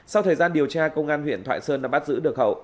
sau thời gian điều tra công an huyện thoại sơn đã bắt giữ được hậu